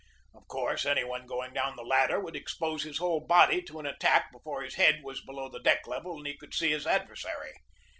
Of course, any one going down the ladder would expose his whole body to an attack before his head was below the deck level and he could see his ad versary.